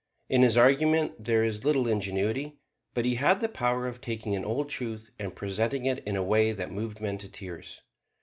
In his argument there is little ingenuity; but he had the power of taking an old truth and presenting it in a way that moved men to tears.